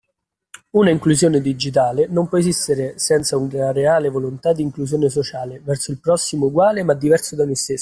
Una inclusione digitale non può esistere senza una reale volontà di inclusione sociale verso il prossimo uguale ma diverso da noi stessi.